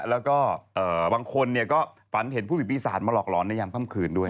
แล้วก็บางคนก็ฝันเห็นผู้มีปีศาจมาหลอกหลอนในยามค่ำคืนด้วย